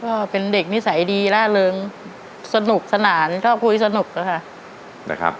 ก็เป็นเด็กนิสัยดีล่าเริงสนุกสนานชอบคุยสนุกอะค่ะนะครับ